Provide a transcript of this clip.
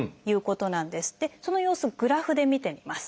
その様子をグラフで見てみます。